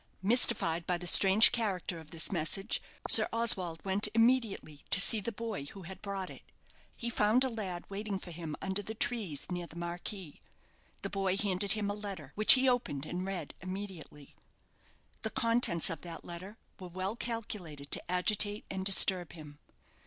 Mystified by the strange character of this message, Sir Oswald went immediately to see the boy who had brought it. He found a lad waiting for him under the trees near the marquee. The boy handed him a letter, which he opened and read immediately. The contents of that letter were well calculated to agitate and disturb him.